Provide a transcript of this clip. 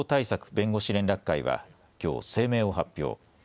弁護士連絡会はきょう声明を発表。